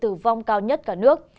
tử vong cao nhất cả nước